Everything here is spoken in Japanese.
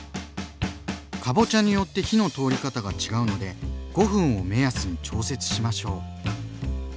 かぼちゃによって火の通り方が違うので５分を目安に調節しましょう。